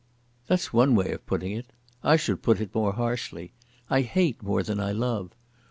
"That's one way of putting it. I should put it more harshly. I hate more than I love.